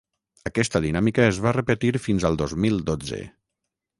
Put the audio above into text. Aquesta dinàmica es va repetir fins al dos mil dotze.